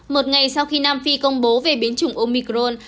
một ngày sau khi nam phi công bố về biến chủng omicron